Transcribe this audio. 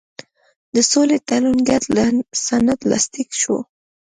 د سولې تړون ګډ سند لاسلیک شو.